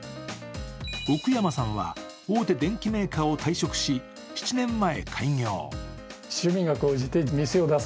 奥山さんは大手電機メーカーを退職し、７年前、開業。